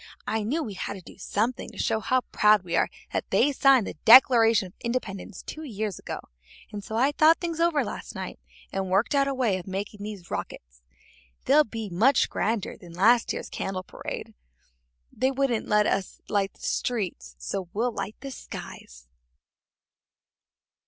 I knew we had to do something to show how proud we are that they signed the Declaration of Independence two years ago, and so I thought things over last night and worked out a way of making these rockets. They'll be much grander than last year's candle parade. They wouldn't let us light the streets, so we'll light the skies."